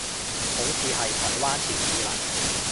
好似係台灣潮語嚟